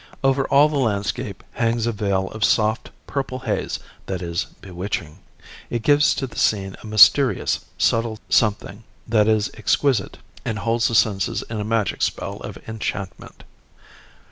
Over all the landscape hangs a veil of soft, purple haze that is bewitching. It gives to the scene a mysterious, subtle something that is exquisite and holds the senses in a magic spell of enchantment.